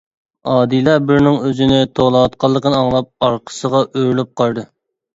ئادىلە بىرىنىڭ ئۆزىنى توۋلاۋاتقانلىقىنى ئاڭلاپ ئارقىسىغا ئۆرۈلۈپ قارىدى.